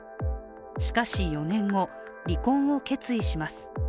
しかし４年後、離婚を決意します。